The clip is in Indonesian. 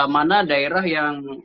mana daerah yang